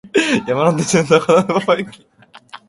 山手線、高田馬場駅